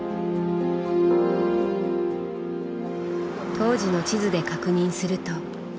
当時の地図で確認すると。